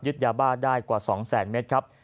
ยึดยาบ้าได้กว่าสองแสนเมตรครับ